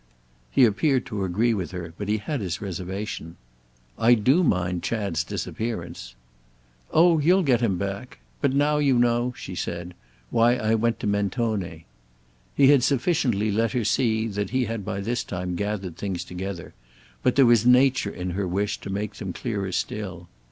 He appeared to agree with her, but he had his reservation. "I do mind Chad's disappearance." "Oh you'll get him back. But now you know," she said, "why I went to Mentone." He had sufficiently let her see that he had by this time gathered things together, but there was nature in her wish to make them clearer still.